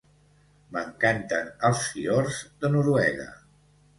M'encanten els fiords de Noruega.